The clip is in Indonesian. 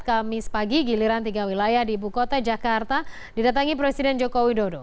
kamis pagi giliran tiga wilayah di ibu kota jakarta didatangi presiden joko widodo